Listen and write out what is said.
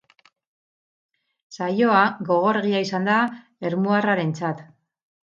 Saioa gogorregia izan da ermuarrarentzat.